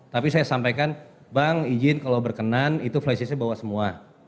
tapi saya sampaikan bang izin kalau berkenan itu flysisnya bawa semua